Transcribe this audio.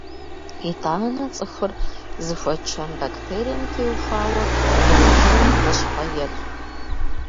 Итӏанэ цӏыхур зыхуэчэм бактерием теухуауэ дохутырым хущхъуэ етх.